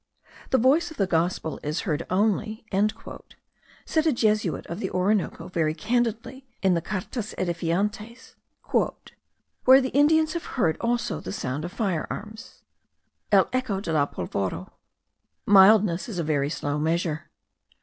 "The voice of the Gospel is heard only," said a Jesuit of the Orinoco, very candidly, in the Cartas Edifiantes, "where the Indians have heard also the sound of fire arms (el eco de la polvora). Mildness is a very slow measure.